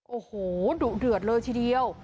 โอ้โหดุเดือดเลยทีเดียว